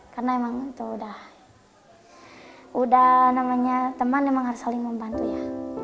karena memang itu udah udah namanya teman memang harus saling membantu ya